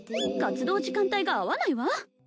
活動時間帯が合わないわ